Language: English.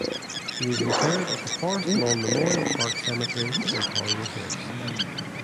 He is interred at the Forest Lawn Memorial Park Cemetery in Hollywood Hills.